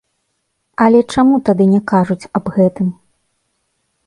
Але чаму тады не кажуць аб гэтым?